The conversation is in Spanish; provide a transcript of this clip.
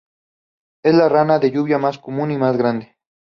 Es la rana de lluvia más común y más grande.